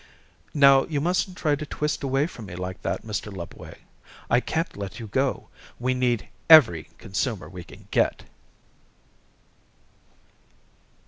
"Now, you mustn't try to twist away from me like that, Mr. Lubway. I can't let you go. We need every consumer we can get."